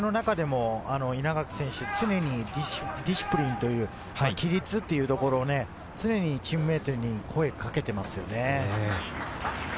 試合中の中でも稲垣選手、常にディシプリンという規律というところを常にチームメートに声をかけていますよね。